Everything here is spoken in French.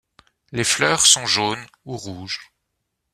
Les fleurs sont jaunes ou rouges.